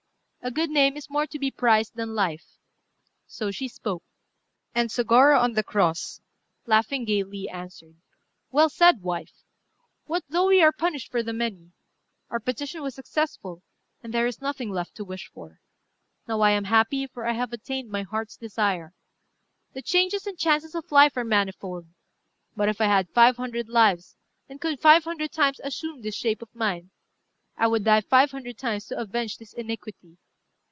A good name is more to be prized than life." So she spoke; and Sôgorô on the cross, laughing gaily, answered "Well said, wife! What though we are punished for the many? Our petition was successful, and there is nothing left to wish for. Now I am happy, for I have attained my heart's desire. The changes and chances of life are manifold. But if I had five hundred lives, and could five hundred times assume this shape of mine, I would die five hundred times to avenge this iniquity.